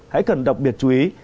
hãy cần đọc biệt chú ý